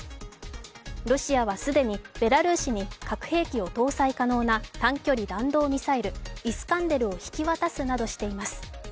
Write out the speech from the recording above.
ロシアは既にベラルーシに核兵器を搭載可能な短距離弾道ミサイル・イスカンデルを引き渡すなどしています。